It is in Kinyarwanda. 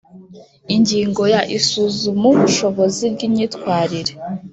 Ingingo ya isuzumubushobozi ry imyitwarire